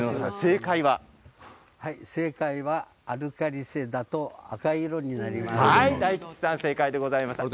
正解は、アルカリ性だと赤色になります。